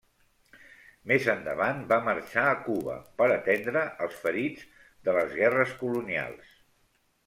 Més endavant va marxar a Cuba per atendre els ferits de les guerres colonials.